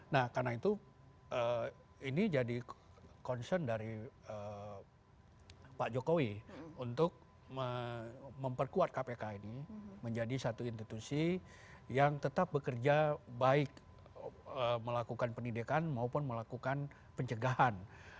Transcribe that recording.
nah karena itu ini jadi concern dari pak jokowi untuk memperkuat kpk ini menjadi satu institusi yang tetap bekerja baik melakukan pendidikan maupun melakukan pencegahan